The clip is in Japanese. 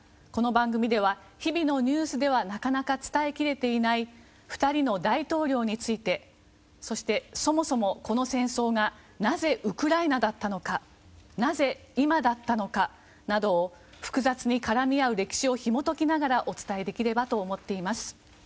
この番組では日々のニュースではなかなか伝えきれていない２人の大統領についてそして、そもそもこの戦争が、なぜウクライナだったのかなぜ今だったのか複雑に絡み合う歴史をひもときながらお伝えできればと思っています。